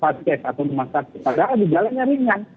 atau memasak padahal dijalannya ringan